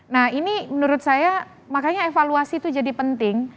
nah ini menurut saya makanya evaluasi itu jadi penting